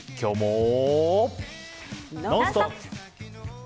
「ノンストップ！」。